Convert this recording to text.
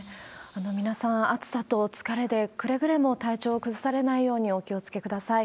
皆さん、暑さと疲れでくれぐれも体調を崩されないようにお気をつけください。